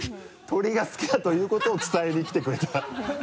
鶏が好きだということを伝えに来てくれた